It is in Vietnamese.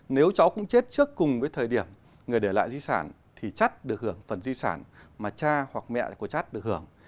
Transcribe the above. nếu cháu cũng chết trước cùng với thời điểm người để lại di sản thì chất được hưởng phần di sản mà cha hoặc mẹ của chất được hưởng